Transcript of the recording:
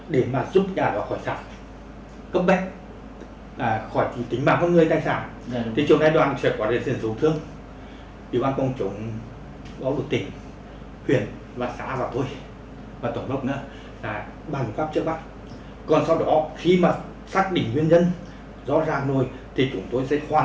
để mà giúp gà rõ khỏi sạt lở